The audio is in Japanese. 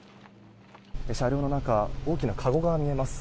車両の中大きなかごが見えます。